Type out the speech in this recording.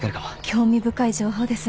興味深い情報です。